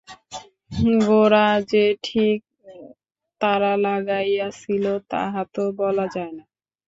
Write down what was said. গোরা যে ঠিক তাড়া লাগাইয়াছিল তাহা তো বলা যায় না।